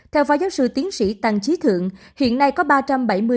theo phó giáo sư tiến sĩ tăng trí thượng hiện nay có ba trăm bảy mươi nhà thuốc phạm ma xi